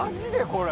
これ。